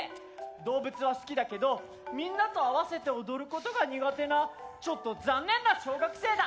動物は好きだけどみんなと合わせて踊ることが苦手なちょっとざんねんな小学生だ。